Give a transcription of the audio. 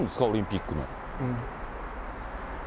オリンピックの。